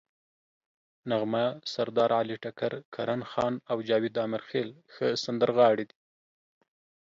نغمه، سردارعلي ټکر، کرن خان او جاوید امیرخیل ښه سندرغاړي دي.